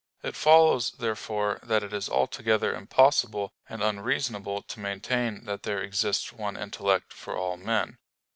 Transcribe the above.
It follows, therefore, that it is altogether impossible and unreasonable to maintain that there exists one intellect for all men.